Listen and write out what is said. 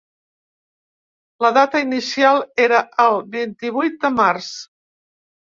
La data inicial era el vint-i-vuit de març.